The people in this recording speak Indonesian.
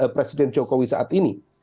presiden jokowi saat ini